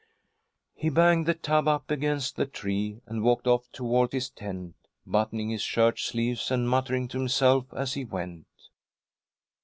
He banged the tub up against the tree and walked off toward his tent, buttoning his shirt sleeves, and muttering to himself as he went.